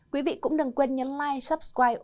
quý vị cũng đừng quên nhấn like subscribe